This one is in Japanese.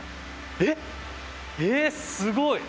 ええっすごい！